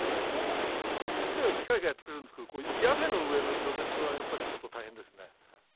この作業自体は機械がやってくれるんですけど、屋根の上の除雪は、やっぱりちょっと大変ですね。